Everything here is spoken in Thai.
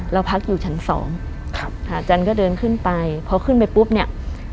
เราพักอยู่ชั้นสองจนก็เดินขึ้นไปพอขึ้นไปปุ๊บเนี่ย